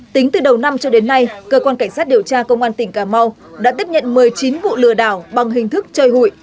tính từ đầu năm cho đến nay cơ quan cảnh sát điều tra công an tỉnh cà mau đã tiếp nhận một mươi chín vụ lừa đảo bằng hình thức chơi hụi